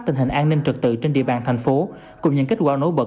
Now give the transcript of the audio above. tình hình an ninh trực tự trên địa bàn thành phố cùng những kết quả nối bật